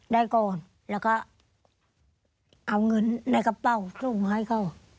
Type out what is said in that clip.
แล้วก็เอาเงินในกระเป้าส่งให้เขา